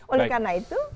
oleh karena itu